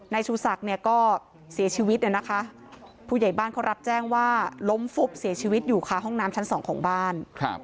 ชูศักดิ์เนี่ยก็เสียชีวิตนะคะผู้ใหญ่บ้านเขารับแจ้งว่าล้มฟุบเสียชีวิตอยู่ค่ะห้องน้ำชั้นสองของบ้าน